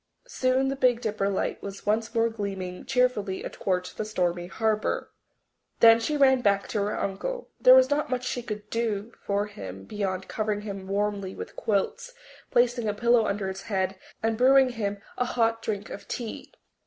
Soon the Big Dipper light was once more gleaming cheerfully athwart the stormy harbour. Then she ran back to her uncle. There was not much she could do for him beyond covering him warmly with quilts, placing a pillow under his head, and brewing him a hot drink of tea.